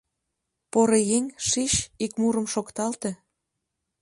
Поро еҥ, шич, ик мурым шокталте.